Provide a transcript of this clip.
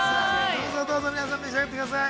◆どうぞどうぞ、皆さん、召し上がってください。